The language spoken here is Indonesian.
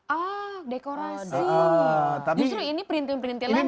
ah dekorasi justru ini perintilan perintilan